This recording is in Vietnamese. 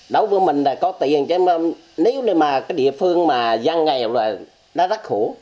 đối với mình là có tiền chứ nếu như mà cái địa phương mà gian nghèo là nó rắc khổ